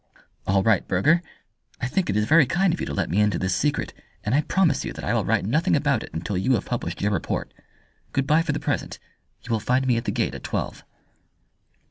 "All right, Burger! I think it is very kind of you to let me into this secret, and I promise you that I will write nothing about it until you have published your report. Good bye for the present! You will find me at the Gate at twelve."